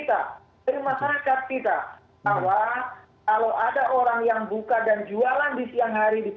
sejak zaman kabur